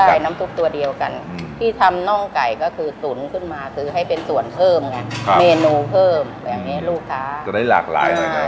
เพิ่มอ่ะเมนูเพิ่มอย่างเงี้ยลูกค้าจะได้หลากหลายอ่า